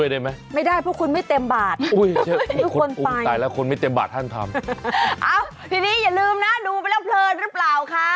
ทีนี้อย่าลืมนะดูประเภตบาทสบายนะเรือเปล่า